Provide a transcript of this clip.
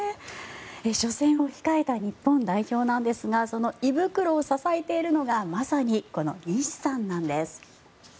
初戦を控えた日本代表なんですがその胃袋を支えているのがまさにこの西さんなんです。